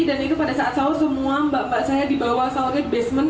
dan itu pada saat sawah semua mbak mbak saya dibawa sawahnya di basement